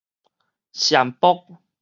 薝蔔